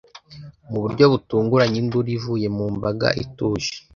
mu buryo butunguranye, induru ivuye mu mbaga ituje